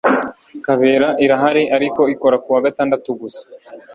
kabera irahari ariko ikora kuwa gatandatu gusa